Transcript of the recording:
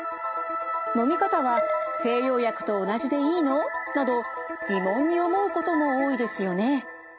のみ方は西洋薬と同じでいいの？」など疑問に思うことも多いですよね？